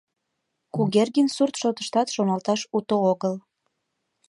Кугергин сурт шотыштат шоналташ уто огыл.